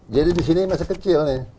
jadi di sini masih kecil nih